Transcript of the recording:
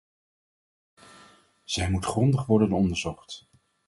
Zij moet grondig worden onderzocht.